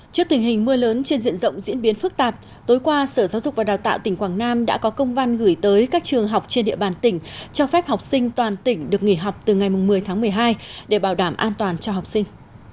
trước tình hình mưa lớn trên diện rộng diễn biến phức tạp tối qua sở giáo dục và đào tạo tỉnh quảng nam đã có công văn gửi tới các trường học trên địa bàn tỉnh cho phép học sinh toàn tỉnh được nghỉ học từ ngày một mươi tháng một mươi hai để bảo đảm an toàn cho học sinh